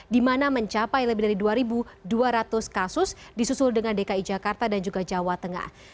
di mana mencapai lebih dari dua dua ratus kasus disusul dengan dki jakarta dan juga jawa tengah